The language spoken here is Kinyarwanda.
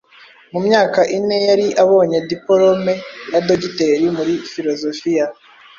Mu myaka ine yari abonye Dipolome ya Dogiteri muri Filozofiya,